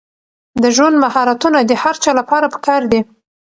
د ژوند مهارتونه د هر چا لپاره پکار دي.